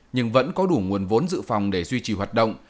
nhưng vẫn có đủ nguồn vốn dự phòng để duy trì hoạt động